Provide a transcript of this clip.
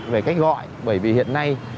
về cách gọi bởi vì hiện nay